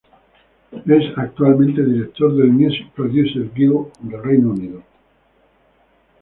Es actualmente director del "Music Producers Guild" del Reino Unido.